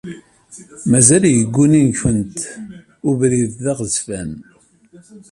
Mazal yegguni-kent ubrid d aɣezfan.